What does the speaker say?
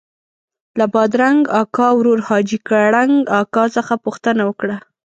له بادرنګ اکا ورور حاجي کړنګ اکا څخه پوښتنه وکړه.